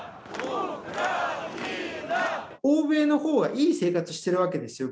欧米のほうはいい生活してるわけですよ